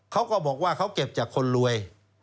เขาก็บอกว่าเขาเก็บจากคนรวย